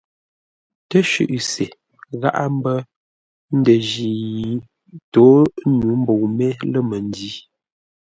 Təshʉʼ se gháʼá mbə́ ndənji yi tô nyû mbəu mé lə̂ məndǐ.